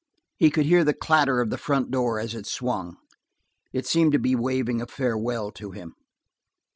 He could hear the clatter of the front door as it swung; it seemed to be waving a farewell to him.